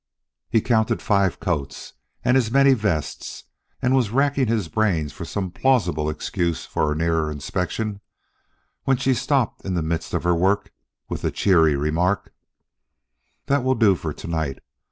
He counted five coats and as many vests and was racking his brains for some plausible excuse for a nearer inspection, when she stopped in the midst of her work, with the cheery remark: "That will do for to night.